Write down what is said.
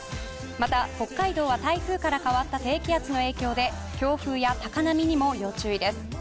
また北海道は台風から変わった低気圧の影響で強風や高波にも要注意です。